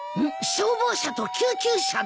消防車と救急車だ。